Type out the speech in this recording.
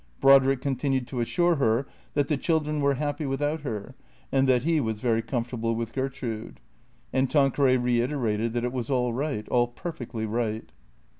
Brodrick continued to assure her that the children were happy without her, and that he was very comfortable with Gertrude ; and Tanqueray reiterated that it was all right, all perfectly right.